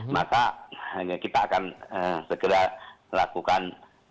maka kita akan segera melakukan